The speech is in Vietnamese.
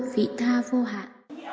vĩ tha vô hạn